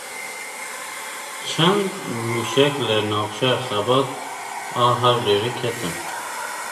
Çend mûşek li navçeya Xebat a Hewlêrê ketin.